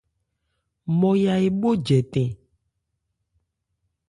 Nmɔya èbhó jɛtɛn.